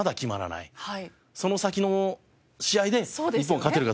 その先の試合で日本が勝てるかどうか。